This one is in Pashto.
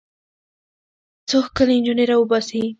څو ښکلې نجونې راوباسي.